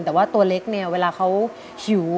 แต่ว่าตัวเล็กเนี่ยเวลาเขาหิว